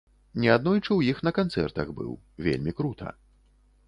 Неаднойчы ў іх на канцэртах быў, вельмі крута.